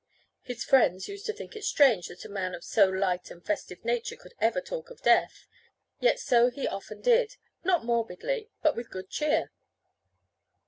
His friends used to think it strange that a man of so light and festive nature should ever talk of death; yet so he often did, not morbidly, but with good cheer.